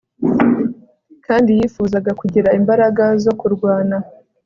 Kandi yifuzaga kugira imbaraga zo kurwana